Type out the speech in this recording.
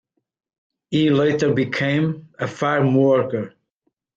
He later became a farm worker.